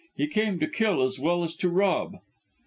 He came to kill as well as to rob."